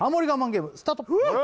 ゲームスタート